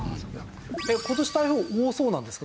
今年台風多そうなんですか？